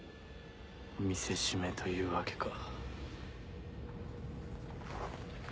見せしめというわけか。